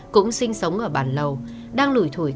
cũng sinh sống ở bản lầu đang lủi thổi